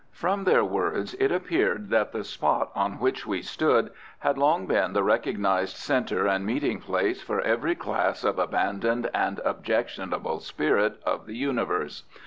From their words it appeared that the spot on which we stood had long been the recognised centre and meeting place for every class of abandoned and objectionable spirit of the universe.